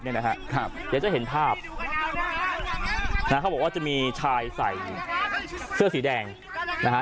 เดี๋ยวจะเห็นภาพนะฮะเขาบอกว่าจะมีชายใส่เสื้อสีแดงนะฮะ